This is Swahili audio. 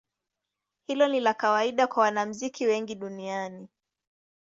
Hilo ni la kawaida kwa wanamuziki wengi duniani.